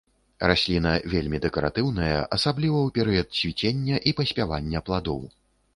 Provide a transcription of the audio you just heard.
Расліна вельмі дэкаратыўная, асабліва ў перыяд цвіцення і паспявання пладоў.